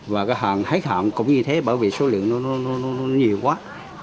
và cái hòn hết hạn cũng như thế bởi vì số lượng nó nhiều quá